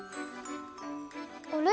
あれ？